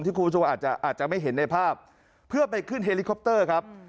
คุณผู้ชมอาจจะอาจจะไม่เห็นในภาพเพื่อไปขึ้นเฮลิคอปเตอร์ครับ